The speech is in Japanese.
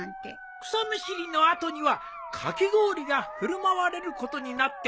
草むしりの後にはかき氷が振る舞われることになっておるんじゃが。